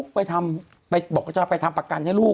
คุณหนุ่มกัญชัยได้เล่าใหญ่ใจความไปสักส่วนใหญ่แล้ว